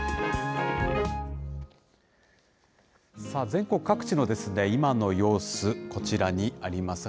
全国各地の今の様子、こちらにあります。